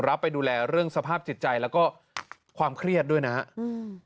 ไปดูแลเรื่องสภาพจิตใจแล้วก็ความเครียดด้วยนะฮะอืม